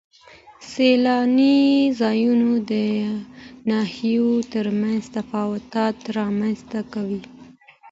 سیلاني ځایونه د ناحیو ترمنځ تفاوتونه رامنځ ته کوي.